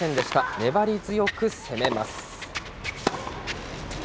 粘り強く攻めます。